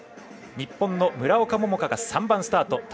日本の村岡桃佳が３番スタート。